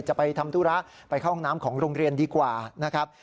จะไปทำธุระไปเข้าห้องน้ำของโรงเรียนดีกว่านะครับ